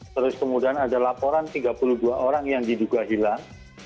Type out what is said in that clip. terus kemudian ada laporan tiga puluh dua orang yang diduga hilang